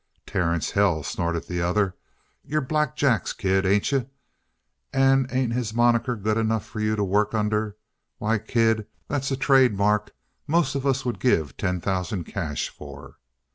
"Terence hell," snorted the other. "You're Black Jack's kid, ain't you? And ain't his moniker good enough for you to work under? Why, kid, that's a trademark most of us would give ten thousand cash for!"